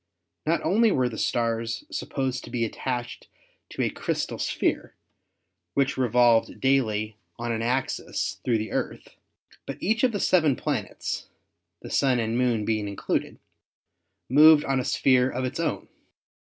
Not only were the stars supposed to be attached to a crystal sphere, which revolved daily on an axis through the Earth, but each of the seven planets (the Sun and Moon being included) moved on a sphere of its own.